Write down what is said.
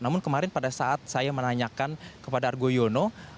namun kemarin pada saat saya menanyakan kepada argo yono